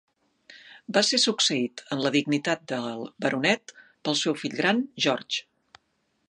Va ser succeït en la dignitat de baronet pel seu fill gran George.